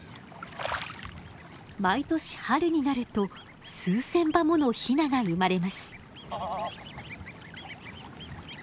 毎年春になると数千羽ものヒナが生まれます。